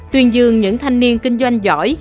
tuyên dương những thanh niên kinh doanh giỏi